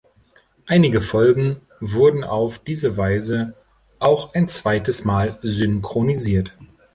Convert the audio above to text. Einige Folgen wurden auf diese Weise auch ein zweites Mal synchronisiert.